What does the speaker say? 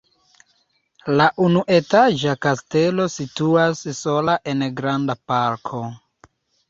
La unuetaĝa kastelo situas sola en granda parko.